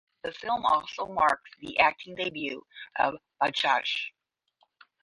The film also marks the acting debut of Badshah.